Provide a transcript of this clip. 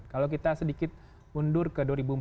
kalau kita sedikit mundur ke dua ribu empat belas